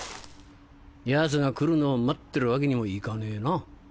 ヤツが来るのを待ってるわけにもいかねえな。